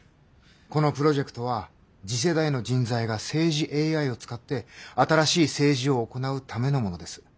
このプロジェクトは次世代の人材が政治ＡＩを使って新しい政治を行うためのものです。